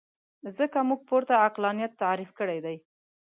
ځکه موږ پورته عقلانیت تعریف کړی دی.